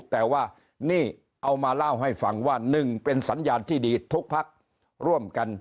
แต่ว่านี่เอามาเล่าให้ฟังว่าหนึ่งเป็นสัญญาณที่ดีทุกพักร่วมกัน